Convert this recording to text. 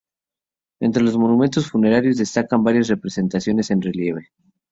Entre los monumentos funerarios destacan varias representaciones en relieve.